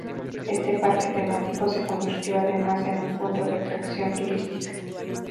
Este parque temático se convirtió además en un punto de atracción turística.